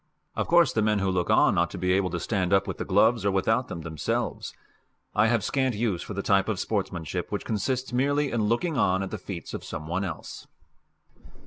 Of course the men who look on ought to be able to stand up with the gloves, or without them, themselves; I have scant use for the type of sportsmanship which consists merely in looking on at the feats of some one else.